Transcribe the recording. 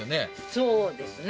そうですね